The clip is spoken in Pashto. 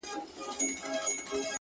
موږ ته تر سهاره چپه خوله ناست وي _